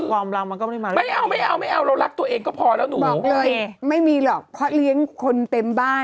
คนนี้เขาชอบเค็ม